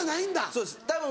そうですたぶん。